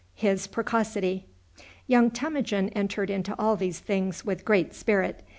Young Temujin entered into all these things with great spirit.